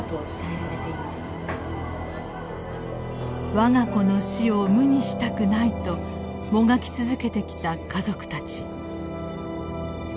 我が子の死を無にしたくないともがき続けてきた家族たち。